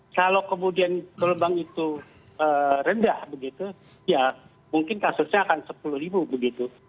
kalau kemudian gelombang itu rendah begitu ya mungkin kasusnya akan sepuluh ribu begitu